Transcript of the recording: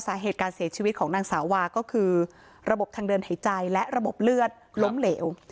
สาเหตุการเสียชีวิตของนางสาวาก็คือระบบทางเดินหายใจและระบบเลือดล้มเหลว